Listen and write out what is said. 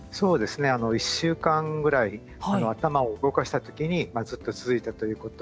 １週間ぐらい続いた、頭を動かした時に、ずっと続いたということ。